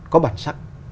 có bản sắc